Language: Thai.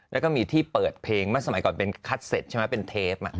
แล้วก็มีที่เปิดเพลงเมื่อสมัยก่อนเป็นคัทเซตใช่ไหมเป็นเทป